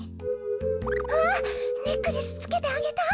あっネックレスつけてあげた。